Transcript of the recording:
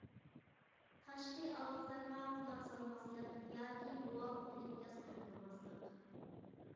تاشقى ئاۋازلارغا قۇلاق سالماسلىق ياكى مۇۋاپىق ئىنكاس قايتۇرماسلىق.